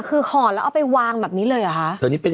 คือคอแล้วก็ไปวางแบบนี้เลยหรอฮะ